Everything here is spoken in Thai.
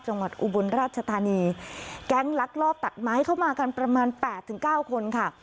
อุบลราชธานีแก๊งลักลอบตัดไม้เข้ามากันประมาณแปดถึงเก้าคนค่ะ